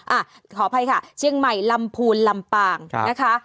อ่ะขออภัยค่ะเชียงใหม่ลำพูนลำปางนะคะ